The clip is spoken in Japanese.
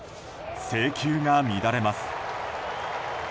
制球が乱れます。